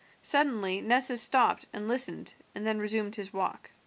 Suddenly Nessus stopped and listened, and then resumed his walk.